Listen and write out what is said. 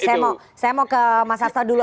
saya mau ke mas hasto dulu